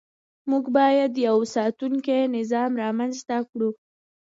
موږ باید یو ساتونکی نظام رامنځته کړو.